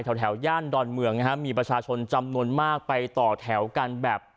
แถวย่านดอนเมืองนะฮะมีประชาชนจำนวนมากไปต่อแถวกันแบบ